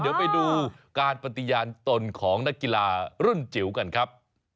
เดี๋ยวไปดูการปฏิญาณตนของนักกีฬารุ่นจิ๋วกันครับ